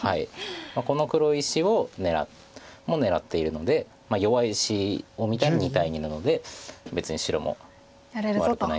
この黒石も狙っているので弱い石を見たら２対２なので別に白も悪くないんじゃない？